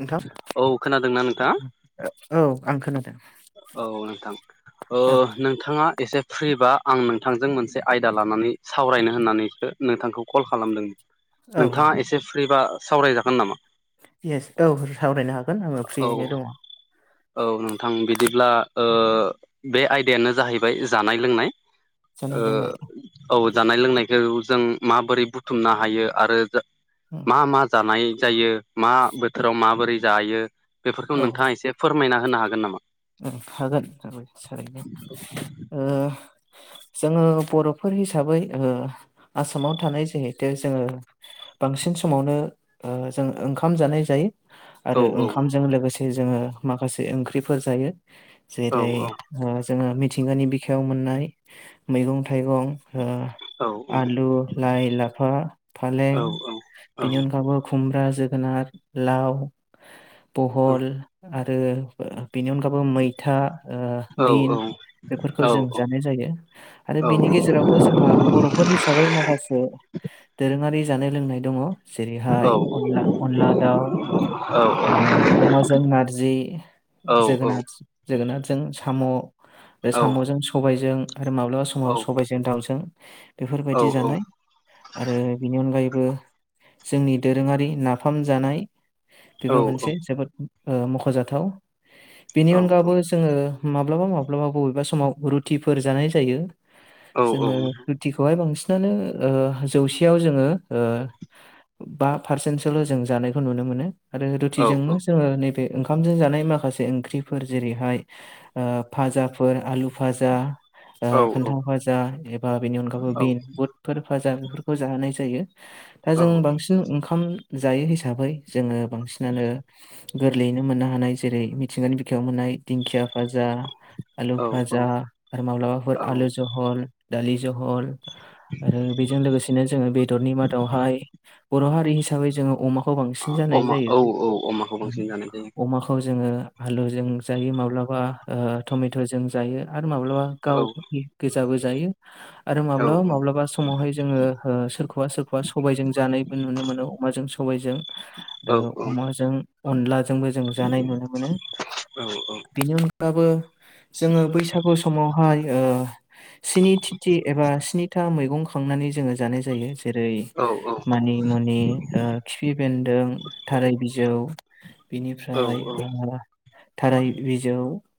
नोंथां औ खोनादोंना नोंथाङा औ आं खोनादों। औ नोंथां ओ औ नोंथाङा एसे फ्रिबा आं नोंथांजों मोनसे आयदा लानानै सावरायनो होननानैसो नोंथांखौ कल खालामदों। औ नोंथाङा एसे फ्रिबा सावरायजागोन नामा? इेस औ सावरायनो हागोन आङो औ फ्रियैनो दङ। औ नोंथां बिदिब्ला ओ बे आयदायानो जाहैबाय जानाय लोंनाय जानाय लोंनाय ओ औ जानाय लोंनायखौ जों माबोरै बुथुमनो हायो आरो मा औ मा जानाय जायो मा बोथोराव माबोरै जायो बेफोरखौ नोंथाङा ओं एसे फोरमायना होनो हागोन नामा? हागोन [unintelligible] ओ [inaudible] जोङो बर'फोर हिसाबै ओ आसामाव थानाय जिहेथु जोङो बांसिन बे समावनो ओ जों ओंखाम जानाय जायो। औ आरो औ ओंखामजों लोगोसे जोङो माखासे ओंख्रिफोर जायो। औ जेरै ओ जोङो मिथिंगानि बिखायाव मोननाय मैगं थाइगं उम औ आलु लाइ लाफा फालें औ औ बेनि अनगाबो खुमब्रा जोगोनार लाव औ बहल आरो ओ बेनि अनगाबैबो मैथा ओ औ बिन बेफोरखौ जों जानाय जायो आरो बिनि गेजेरावबो जोंहा बर'फोर हिसाबै माखासे दोरोङारि जानाय लोंनाय दङ जेरैहाय अनला अनला दाउ ओ अमाजों नारजि जोगोनार जोगोनारजों साम' बे साम'जों सबायजों आरो माब्लाबा समाव सबायजों दाउजों बेफोरबायदि जानाय आरो बेनि अनगायै बो जोंनि दोरोङारि नाफाम जानाय बेबो मोनसे जोबोद ओ मख'जाथाव बेनि अनगाबबो जोङो माब्लाबा माब्लाबा बबेबा समाव रुटिफोर जानाय जायो। जोङो रुटिखौहाय बांसिनानो ओ जौसेयाव जोङो ओ बा पारसेन्टसोल' जों जानायखौ नुनो मोनो। आरो रुटिजोंनो जोङो नैबे ओंखामजों जानाय माखा माखासे ओंख्रिफोर जेरैहाय ओ फाजाफोर आलु भाजा ओ फान्थाव भाजा एबा बेनि अनगाैबो बिन बुटफोर भाजा बेफोरखौ जाहोनाय जायो दा जों बांसिन ओंखाम जायो हिसाबै जोङो बांसिनानो गोरलैयैनो मोननो हानाय जेरै मिथिंगानि बिखायाव मोननाय दिंखिया साजा आलु औ भाजा औ आरो माब्लाबाफोर औ आलु जहल दालि जहल आरो बेजों लोगोसेनो जोङो बेदरनि मादावहाय बर' हारि हिसाबै जोङो अमाखौ बांसिन जानाय अमा जायो। औ औ अमाखौ बांसिन जानाय जायो अमाखौ जोङो आलु जों जायो माब्लाबा ओ टमेट जों जायो माब्लाबा गाव गोजाबो जायो आरो औ माब्लाबा माब्लाबा समावहाय जोङो ओ सोरखौबा सोरखौबा सबायजों जानायबो नुनो मोनो अमाजों सबजों औ ओ अमाजों अन अलाजोंबो जों जानाय नुनो मोनो बेनि अनगाबो जोङो बैसागु समावहाय ओ स्नि तिथि एबा स्नि था मैगं खांनानै जोङो जानाय जायो जेरै औ मानि मुनि ओ खिपि बेन्दों थाराय बि जौ बिनिफ्राय ओ थाराय बिजौ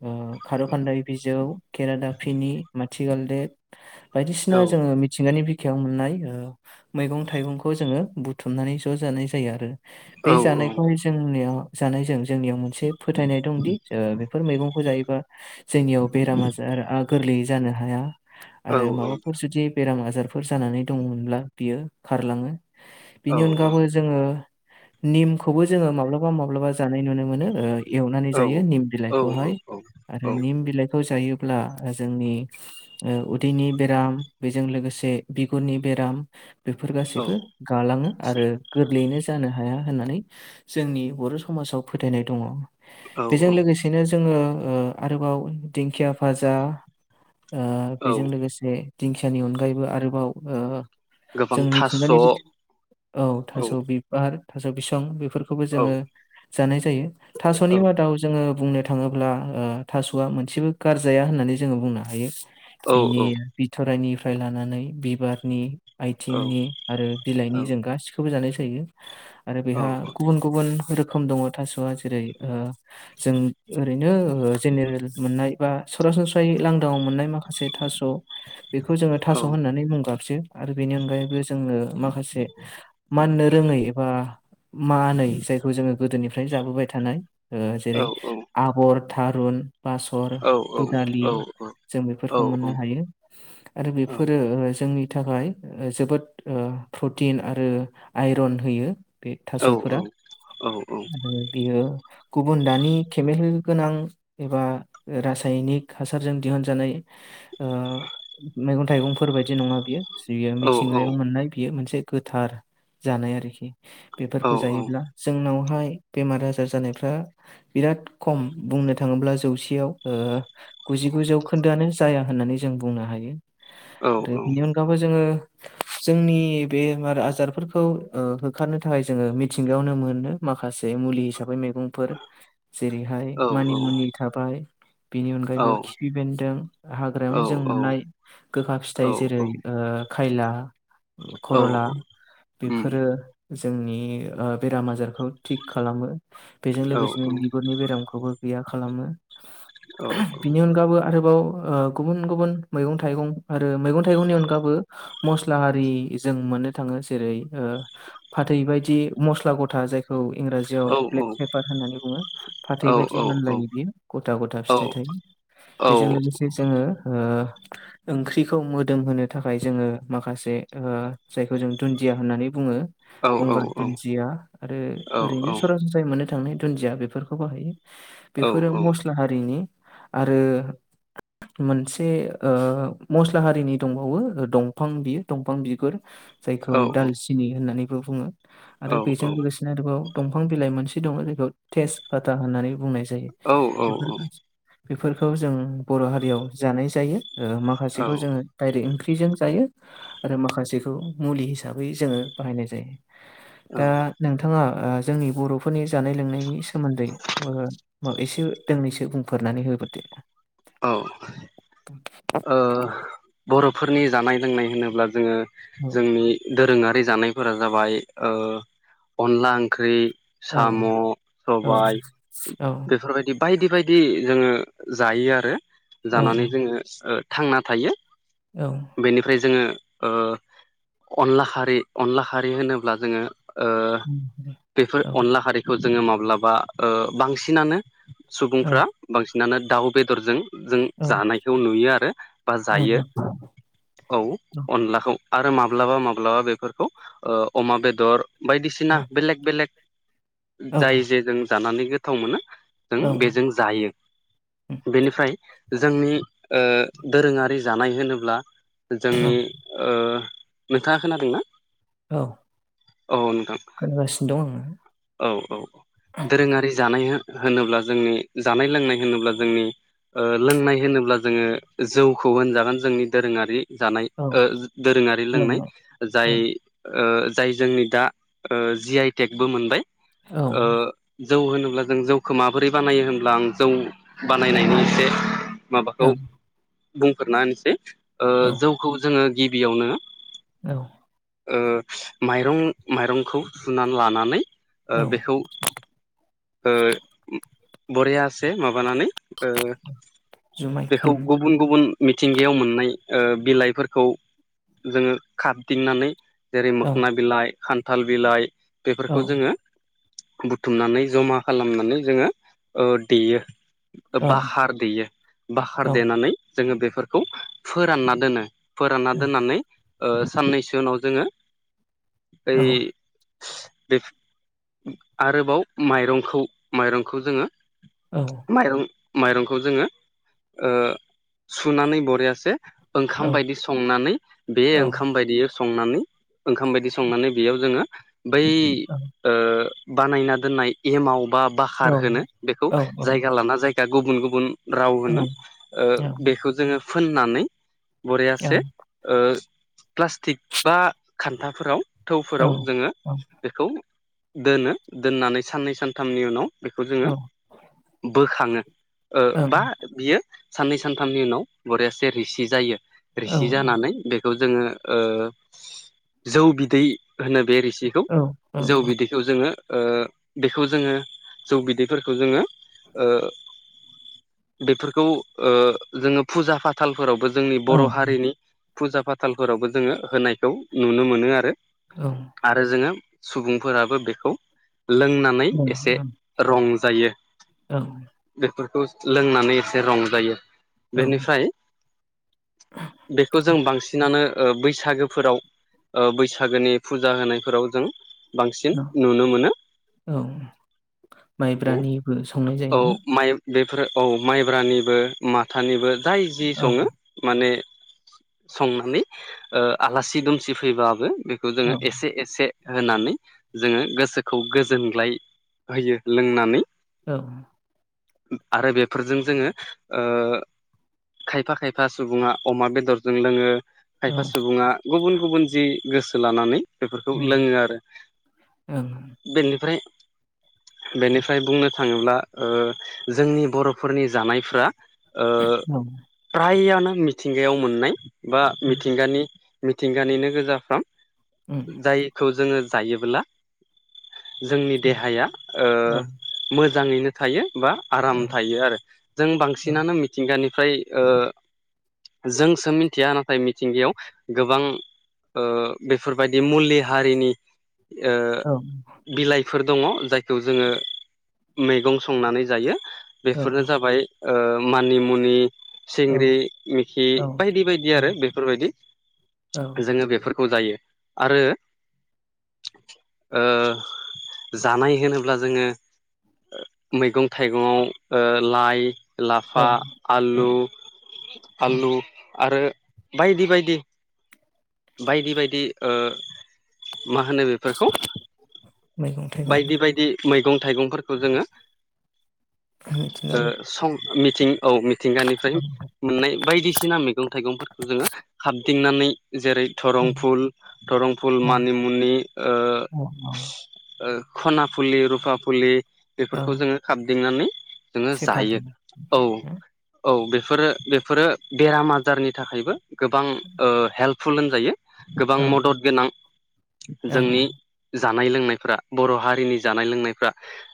ओ खारखान्दाय बिजौ खेरादाफिनि थि गालदेब बायदिसिना जोङो मिथिंगानि बि खायाव मोननाय ओ मैगं थाइगंखौ जोङो बुथुमनानै ज' जानाय जायो आरो। बे जानायखौहाय जोंनिया जानाय जों। जोंनियाव मोनसे फोथायनाय दंदि ओ बेफोर मैगंखौ जायोबा जोंनियाव बेराम-आजार‌आ गोरलैयै जानो हाया आरो माबाफोर जुदि बेराम आज जारफोर जानानै दङमोनब्ला बियो खारलाङो। बिनि अनगाबबो जोङो निमखौबो जोङो माब्लाबा माब्लाबा जानाय नु मोनो ओ एवनानै जायो निम बिलाइखौहाय आरो निम बिलाइ खौ जायोब्ला जोंनि ओ उदैनि बेराम बेजों लोगोसे बिगुरनि बे राम बेफोर गासैबो गालाङो आरो गोरलैयैनो जानो हाया होननानै जोंनि बर' समाजाव फोथायनाय दङ। औ औ बेजों लोगोसेनो ङो ओ आरोबाव दिंखिया भाजा ओ औ बेजों लोगोसे दिंखियानि अनगायैबो आरोबाव ओ जों गोबां थास' मिथिंगानि औ बि औ थास' बिबार थास' बिसां बे फोरखौबो जोङो जानाय जायो। औ थास'नि मादाव जोङो बुंनो थां थाङोब्ला ओ थास'आ मोनसेबो गारजाया होननानै जोङो बुंनो हायो। औ बिनि औ बिथराइनिफ्राय लानानै बिबारनि औ आइथिंनि आरो औ बिलाइनि जों औ गासिखौबो जानाय जायो आरो औ बेहा गुबुन गुबुन थ'आ जेरै जों ओरैनो जेनेरेल मोननाय बा सरासनस्रायै लांदांव मोननाय माखासे थास' बेखौ जोङो थास' होननानै मुं गाबसो आरो बेनि अनगायैबो जोङो माखासे ननो रोङै एबा मानै जायखौ जोङो गोदोनिफ्राय जाबोबाय थानाय औ जेरै आगर थारुन बासर दुदालि जों बेफोरखौ मोननो हायो आरो बेफोरो जोंनि नि थाखाय जोबोद प्रटिन आरो आइरन होयो बे थास'फोरा आरो बियो गुबुन दानि केमिकेल गोनां एबा रासायनिक हासारजों दिहुनजानाय [inaudible] मैगं थाइगंफोर बायदि नङा बियो जियो मिथिंगायाव मोननाय बियो मोनसे गोथार जानाय आरोखि बेफोरखौ जायोब्ला जोंनाव बेहाय बेमार आजार जानायफ्रा बिराद खम बुंनो थाङोब्ला जौसेयाव गुजिगुजौ खोन्दोआनो जाया होननानै जों बुंनो हायो आरो बेनि अनगाबबो जोङो जोंनि बेमार आजारफोरखौ ओ होखारनो थाखाय जोङो मिथिंगायावनो मोनो। माखासे मुलि हिसाबै मैगंफोर जेरैहाय मानि मुनि थाबाय बेनि अनगायैबो खिफि बेन्दों हाग्रायावनो जों मोननाय गोखा औ फिथाइ जेरै खायला औ खरला उम बेफोरो जोंनि बेराम आजारखौ थिग खालामो बेजों औ औ लोगोसेनो औ बिगुरनि बेरामखौबो गैया खालामो बिनि अनगाबबो आरोबाव ओ गुबुन गुबुन मैगं थाइगं आरो मैगं थाइगंनि अनगाबबो मस्ला आरि जों मोननो थाङो जेरै ओ फाथै बादि मस्ला गथा जाय खौ इंराजियाव ब्लेक औ पेपार होननानै बुङो फाथै बायदि मानलायो बियो गथा गथा फिथाइ थाइ बेजों लोगोसे जोङो ओंख्रिखौ मोदोम होनो थाखाय जोङो माखासे जायखौ जों दुन्दिया होननानै बुङो गंगार दुन्दिया आरो ओरैनो सरासनस्रायै मोननो थांनाय दुन्दिया बेफोरखौबोाहायो बेफोरो मस्ला हारिनि आरो मोनसे मस्ला हारिनि दंबावो दंफां बियो दंफां बिगुर जायखौ दालसिनि होननानैबो बुङो आरो बेजों लोगोसेनो आरोबाव दंफां बिलाइ मोनसे दङ जायखौ टेेज फता होननानै बुंनाय जायो बेफोर बेफोरखौ जों बर' हारियाव जानाय जायो माखासेखौ जोङो डाइरेक्टं फजों जायो आरो माखासेखौ मुलि हिसाबै जोङो बाहायनाय जायो दा औ नोंथाङा जोंनि बर'फोरनि जानाय लोंनायनि सोमोन्दै माब एसे दोंनैसो बुंफोरनानै होबोदो औ। ओ बर'फोरनि जानाय लोंनाय होनोब्ला जोङो औ जोंनि दोरोङा ओंख्रि जानायफोरा जाबाय अनला ओंख्रि औ साम' औ सबायाइ औ बेफोरबायदि बायदि बायदि जोङो जायो आरो औ जानानै जोङो थांना थायो बेनिफ्राय जोङो ओ अनला हारि अनला हारि होनोब्ला जोङो ओ बेफोर अनला हारिखौ जोङो माब्लाबा बांसिनानो सुबुंफ्रा बांसिनानो दाउ बेदरजों जों जानायखौ नुयो आरो बा जायो औ अनलाखौ आरो माब्लाबा माब्लाबा बेफोरखौ अमा बेदर बायदिसिना बेलेग बेलेग जाय जे जों जानानै गोथाव मोनो जों बेजों जायो बेनिफ्राय जोंनि ओ दोरोङारि जानाय होनोब्ला जोंनि नोंथाङा खोनादों ना औ औ नोंथां औ औ औ दोरोङारि जानाय होनोब्ला जोंनि जानाय लोंनाय होनोब्ला जोंनि लोंनाय होनोब्ला जोङो जौखौ होनजागोन जोंनि दोरोङारि जानाय आङो औ दोरोङारि लोंनाय लोंबाय औ जाय जाय जोंनि दा जि आइ टेकबो मोनबाय औ जौ होनो होनब्ला जों जौखौ माबोरै बानायो होनब्ला आं जौ बानायनायनि एसे माबाखौ ओं बुंफोरना होनसै औ जौखौ जोङो गिबियावनो औ माइरं माइरंखौ सुनानै लानानै औ बेखौ बररियास माबानानै जुमाय बेखौ खालाम गुबुन गुबुन मिथिंगायाव मोननाय बिलाइफोरखौ जोङो खाबदिंनानै जेरै औ मोखोना बिलाइ खान्थाल बिलाइ औ बेफोरखौ जोङो बुथुमनानै जमा खालामनानै जोङो देयो औ बाहार देयो बाहार औ देनानै जोङो बेफोरखौ फोरानना दोनो फोरानना दोननानै साननैसो उनाव जोङो बै औ बे आरोबाव माइरंखौ माइरंखौ जोङो औ माइरं माइरंखौ जोङो सुनानै बरियासे ओंखाम औ बायदि संनानै बे औ ओंखाम बायदि संनानै ओंखाम बायदि संनानै बेयाव जोङो बै बानायना दोननाय एमाव बा बाखार होनो औ औ बेखौ जायगा लाना जायगा गुबुन गुबुन राव होनो बेखौ जोङो फोननानै बरियासे प्लास्टिक बा खान्थाफोराव थौफोराव जोङो बेखौ दोनो दोननानै साननै सानथामनि उनाव बेखौ जोङो बोखाङो बा बियो साननै सानथामनि उनाव बरियासे रिसि जायो रिसि जानानै बेखौ जोङो जौ बिदै होनो बे रिसिखौ जौ बिदिैखौ जोङो बेखौ जोङो जौ बिदैफोरखौ जोङो बेफोरखौ जोङो फुजा फाथाल फोरावबो जोंनि बर' हारिनि फुजा फाथालफोरावबो जोङो होनायखौ नुनो मोनो आरो। आरो जोङो सुबुंफोराबो बेखौ लोंनानै एसे रं जायो औ फोरखौ लोंनानै एसे रंजायो बेनिफ्राय बेखौ जों बांसिनानो बैसागोफोराव बैसागोनि फुजा होनायफोराव जों औ बांसिन नुनो मोनो। औ माइब्रानिबो संनाय जायोना बेफोरो औ माइब्रानिबो माथानिबो जाय जि औ सङो माने संनानै ओ आलासि दुमसि फैबाबो बेखौ जोङो औ एसे एसे होनानै जोङो गोसोखौ गोजोनग्लाय होयो लोंनानै औ आरो बेफोरजों जोङो खायफा खायफा सुबुङा अमा बेदरजों लोङो औ खायफा ओं सुबुङा गुबुन गुबुन जि गोसो लानानै बेफोरखौ ओं लोङो आरो औ बेनिफ्राय बेनिफ्राय बुंनो थाङोब्ला ओ जोंनि बर'फोरनि जानायफ्रा ओ ओम औ फ्रायानो मिथिंगायाव मोननाय बा मिथिंगानि मिथिंगानिनो गोजाफ्राम जायखौ जोङो जायोब्ला जोंनि देहाया ओ औ मोजाङैनो थायो बा आराम औ थायो आरो जों बांसिनानो मिथिंगानिफ्राय ओ जोंसो मिथिया नाथाय मिथिंगायाव गोबां ओ बेफोरबायदि मुलि हारिनि ओ बिलाइफोर दङ जायखौ जोङो मैगं संनानै जायो बेफोरनो जाबाय ओ मानि मुनि सिंग्रि मिखि बायदि बायदि आरो बेफोरबायदि जोङो बेफोर खौ जायो आरो ओ जानाय होनोब्ला जोङो मैगं थाइगंआव ओ लाइ औ लाफा औ आलु आलु आरो बायदि बायदि बायदि बायदि ओ मा होनो बेफारखौ मैगं थाइगं बायदि बायदि मैगं थाइगंफोरखौ जोङो ओ मिथिंगानि सं मिथिं औ मिथिंगानिफ्राय औ मोननाय बायदिसिना मैगं थाइगंफोरखौ जोङो खाबदिंनानै जेरै औ थरं फुल थरं फुल औ मानिमुनि ओ औ ओ खना फुलि रुफा फुलि औ बेफोरखौ जोङो खाबदिंनानै जोङो सेफालि जायो औ हो? औ बे बेफोरो बेफोरो बेराम आजारनि थाखायबो गोबां हेल्पफुल होनजायो गोबां औ मदद गोनां ओं जोंनि जानाय लोंनायफ्रा बर' हारिनि जानाय लोंनायफ्रा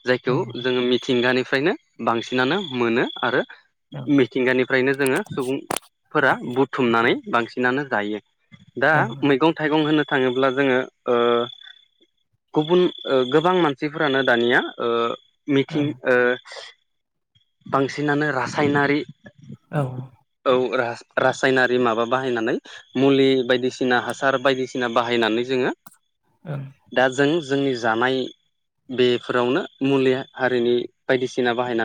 जायखौ ओं जोङो मिथिंगानि फ्रायनो बांसिनानो मोनो आरो ओं मिथिंगानिफ्रायनो जोङो सुबुं फोरा बुथुमनानै बांसिनानो जायो दा मैगं थाइगं होनो थाङोब्ला जोङो ओ गुबुन ओ गोबां मानसिफोरानो दानिया ओ ओं मिथिं ओ बांसिनानो रासायनारि औ गुग्रा रासायनारि माबा बाहायनानै मुलि बायदिसिना हासार बायदिसिना बाहायनानै जोङो ना ओं दा जों जोंनि जानाय बेफोरावनो मुलि हारिनि बायदिसिना बाहायनानै